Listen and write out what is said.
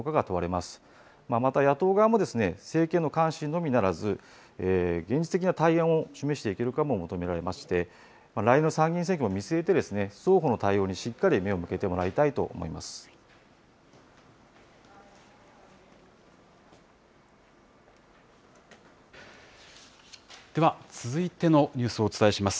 また野党側も、政権の監視のみならず、現実的な対案も示していけるかも求められまして、来年の参議院選挙も見据えて、双方の対応にしっかり目を向けてもらいたいでは続いてのニュースをお伝えします。